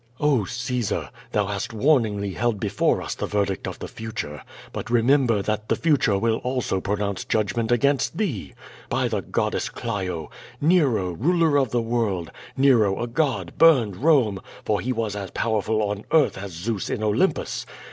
Oh, Caesar! thou hast warningly held before us the verdict of the future; but remember that the future will also pro nounce judgment against thee. By the goddess Clio! Nero, ruler of the world, Nero, a god, burned Rome, for he was as powerful on earth as Zeus in Olympus.